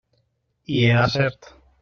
I era cert.